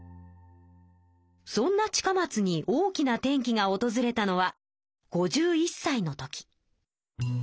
そんな近松に大きな転機がおとずれたのは５１さいの時。